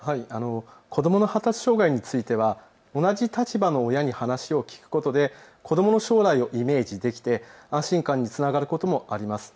子どもの発達障害については同じ立場の親に話を聞くことで子どもの将来をイメージできて安心感につながることもあります。